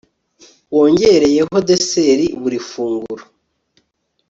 wongereyeho deseri buri funguro